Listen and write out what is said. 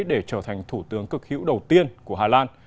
để trở thành thủ tướng cực hữu đầu tiên của hà lan